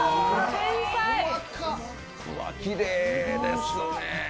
きれいですね。